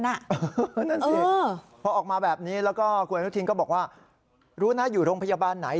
นั่นสิพอออกมาแบบนี้แล้วก็คุณอนุทินก็บอกว่ารู้นะอยู่โรงพยาบาลไหน